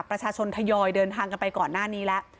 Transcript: ประชาชนทยอยเดินทางกันไปก่อนหน้านี้แล้ว